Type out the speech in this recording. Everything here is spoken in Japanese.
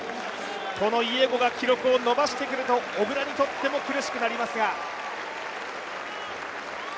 このイエゴが記録を伸ばしてくると小椋にとっても苦しくなりますが。